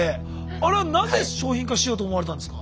あれはなぜ商品化しようと思われたんですか？